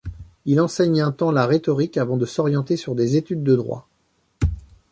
Il enseigne un temps la rhétorique avant de s'orienter sur des études de droit.